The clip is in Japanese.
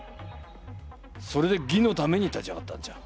それで義のために立ち上がったんじゃ。